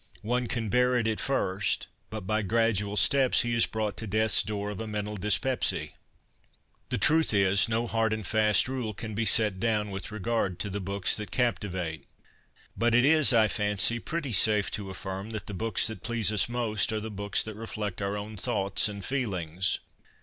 One can bear it at first, but by gradual steps he is brought to death's door of a mental dyspepsy.' The truth is, no hard and fast rule can be set down with regard to the books that captivate. BOOKS THAT CAPTIVATE 59 But it is, I fancy, pretty safe to affirm that the books that please us most are the books that reflect our own thoughts and feelings.